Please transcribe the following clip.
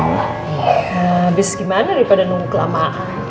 iya abis gimana daripada nunggu kelamaan